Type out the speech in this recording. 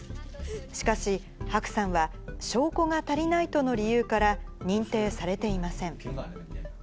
しかし、白さんは証拠が足りないとの理由から、認定されていません。